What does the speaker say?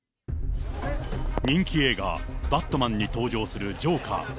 人気映画、バットマンに登場するジョーカー。